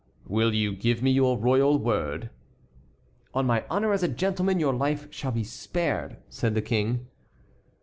"Will you give me your royal word?" "On my honor as a gentleman your life shall be spared," said the King.